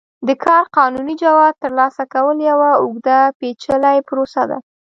د کار قانوني جواز ترلاسه کول یوه اوږده پېچلې پروسه ده.